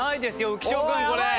浮所君これ。